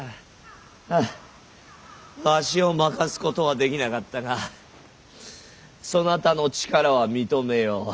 はあわしを負かすことはできなかったがそなたの力は認めよう。